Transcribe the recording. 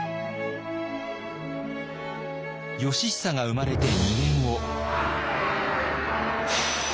義尚が生まれて２年後。